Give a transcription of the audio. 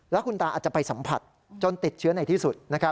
แล้วคุณตาอาจจะไปสัมผัสจนติดเชื้อในที่สุด